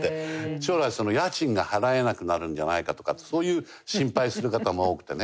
将来家賃が払えなくなるんじゃないかとかそういう心配する方も多くてね。